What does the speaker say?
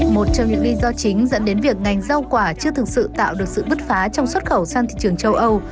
một trong những lý do chính dẫn đến việc ngành rau quả chưa thực sự tạo được sự bứt phá trong xuất khẩu sang thị trường châu âu